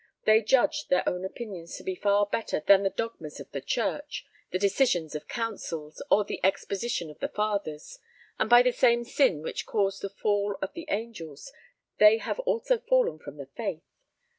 They judge their own opinions to be far better than the dogmas of the church, the decisions of councils, or the exposition of the fathers; and by the same sin which caused the fall of the angels, they have also fallen from the faith.